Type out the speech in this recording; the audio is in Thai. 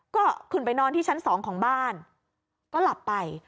ก็ขึ้นไปนอนที่ชั้น๒ของบ้านก็หลับไป